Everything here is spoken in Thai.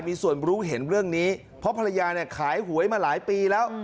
มีส่วนรู้เห็นเรื่องนี้เพราะภรรยาเนี่ยขายหวยมาหลายปีแล้ว